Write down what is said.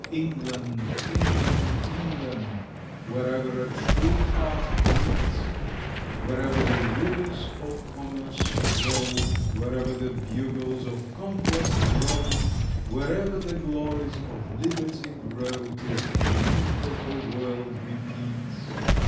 England, England, England, Wherever a true heart beats, Wherever the rivers of commerce flow, Wherever the bugles of conquest blow, Wherever the glories of liberty grow, 'Tis the name that the world repeats.